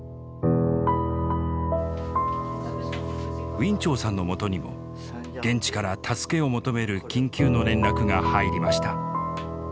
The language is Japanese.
ウィン・チョウさんのもとにも現地から助けを求める緊急の連絡が入りました。